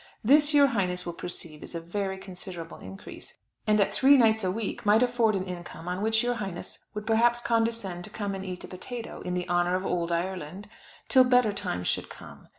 This your highness will perceive is a very considerable increase, and at three nights a week might afford an income on which your highness would perhaps condescend to come and eat a potato, in the honour of "ould" Ireland, till better times should come.